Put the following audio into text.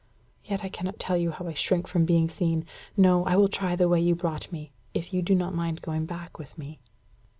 Yet I cannot tell you how I shrink from being seen. No I will try the way you brought me if you do not mind going back with me."